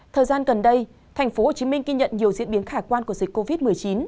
thời gian gần đây tp hcm ghi nhận nhiều diễn biến khả quan của dịch covid một mươi chín